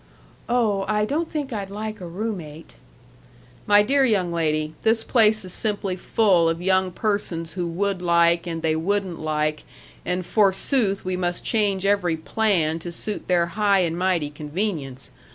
"Oh, I don't think I'd like a room mate." "My dear young lady, this place is simply full of young persons who would like and they wouldn't like and forsooth we must change every plan to suit their high and mighty convenience!